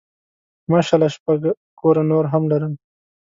ماشاء الله شپږ کوره نور هم لري.